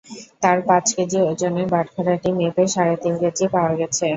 তাঁর পাঁচ কেজি ওজনের বাটখারাটি মেপে সাড়ে তিন কেজি পাওয়া গেছে।